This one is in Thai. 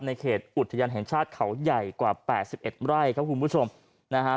เขตอุทยานแห่งชาติเขาใหญ่กว่าแปดสิบเอ็ดไร่ครับคุณผู้ชมนะฮะ